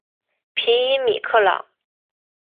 皮伊米克朗。